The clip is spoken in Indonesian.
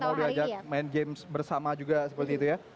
dan sudah mau diajak main games bersama juga seperti itu ya